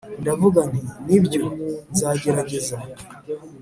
ndavuga nti: 'nibyo, nzagerageza.